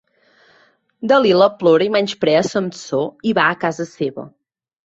Dalila plora i menysprea Samsó i va a casa seva.